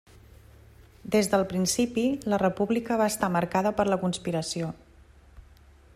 Des del principi la República va estar marcada per la conspiració.